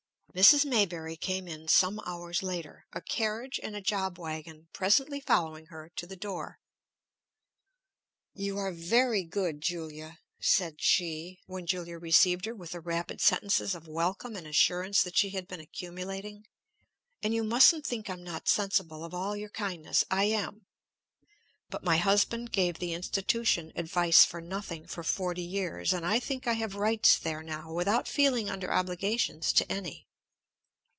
Mrs. Maybury came in some hours later, a carriage and a job wagon presently following her to the door. "You are very good, Julia," said she, when Julia received her with the rapid sentences of welcome and assurance that she had been accumulating. "And you mustn't think I'm not sensible of all your kindness. I am. But my husband gave the institution advice for nothing for forty years, and I think I have rights there now without feeling under obligations to any.